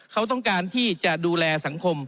เขาต้องการที่จะดูแลสังคม